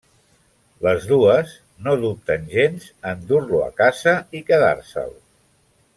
Les dues no dubten gens en dur-lo a casa i quedar-se'l.